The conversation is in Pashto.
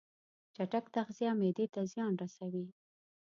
چټک تغذیه معدې ته زیان رسوي.